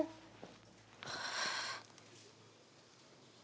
tuh kan tristan nelfon gue